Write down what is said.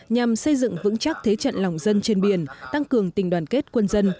nhằm xây dựng vững chắc thế trận lòng dân trên biển tăng cường tình đoàn kết quân dân